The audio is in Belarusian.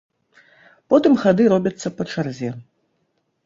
Потым хады робяцца па чарзе.